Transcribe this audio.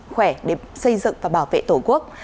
khỏe để xây dựng và bảo vệ tổ quốc